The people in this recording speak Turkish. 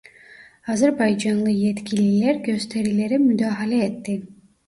Azerbaycanlı yetkililer gösterilere müdahale etti.